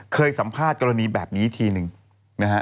เคยสัมภาษณ์กรณีแบบนี้ทีนึงนะฮะ